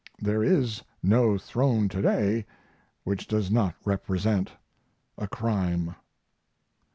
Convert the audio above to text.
There is no throne to day which does not represent a crime....